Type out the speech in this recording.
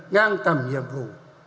ngang tầm nhiệm vụ